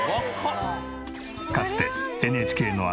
かつてＮＨＫの朝